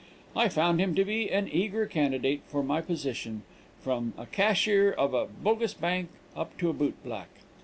I found him to be an eager candidate for any position, from a cashier of a bogus bank up to a boot black.